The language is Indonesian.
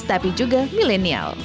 tapi juga milenial